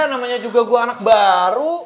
namanya juga gue anak baru